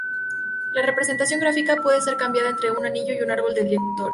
La representación gráfica puede ser cambiada entre un anillo y un árbol de directorios.